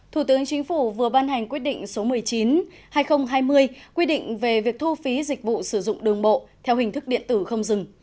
thủ tướng chính phủ vừa ban hành quyết định số một mươi chín hai nghìn hai mươi quy định về việc thu phí dịch vụ sử dụng đường bộ theo hình thức điện tử không dừng